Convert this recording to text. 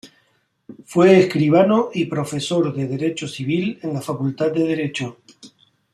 Fue escribano y profesor de Derecho Civil en la Facultad de Derecho.